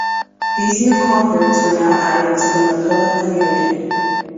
These new converts were now added to the Mappila community.